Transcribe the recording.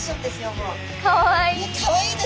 かわいい！